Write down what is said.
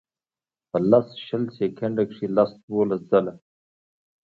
پۀ لس شل سیکنډه کښې لس دولس ځله